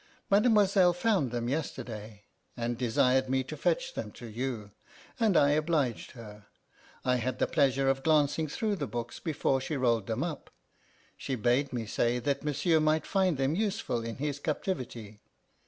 Mademoiselle found them yesterday, and desired me to fetch them to you; and I obliged her. I had the pleasure of glancing through the books before she rolled them up. She bade me say that monsieur might find them useful in his captivity.